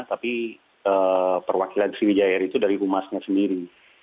tapi perwakilan sriwijaya itu dari humasnya sendiri